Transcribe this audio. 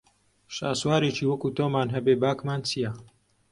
شاسوارێکی وەکوو تۆمان هەبێ باکمان چییە